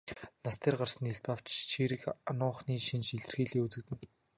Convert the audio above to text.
Нас дээр гарсан нь илт авч чийрэг ануухны шинж илэрхийеэ үзэгдэнэ.